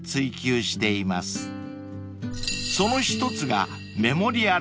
［その一つが］